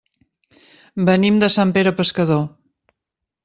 Venim de Sant Pere Pescador.